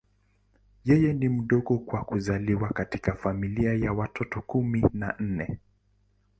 Yeye ni mdogo kwa kuzaliwa katika familia ya watoto kumi na nne.